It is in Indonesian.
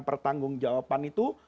pertanggung jawaban itu